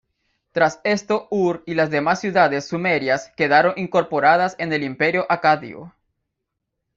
Tras esto Ur y las demás ciudades sumerias quedaron incorporadas en el Imperio acadio.